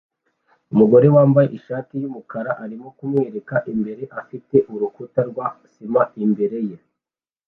Umugore wambaye ishati yumukara arimo kumwereka imbere afite urukuta rwa sima imbere ye